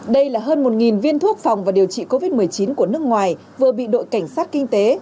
đây là hơn một viên thuốc phòng và điều trị covid một mươi chín của nước ngoài vừa bị đội cảnh sát kinh tế